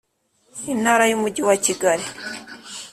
Intara y’umujyi wa Kigali.